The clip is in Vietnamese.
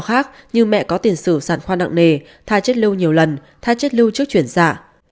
khác như mẹ có tiền sử sản khoan nặng nề thai chết lưu nhiều lần thai chết lưu trước chuyển dạ